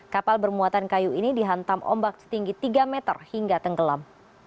kapal bermuatan kayu ini dihantam ombak setinggi tiga meter hingga tenggelam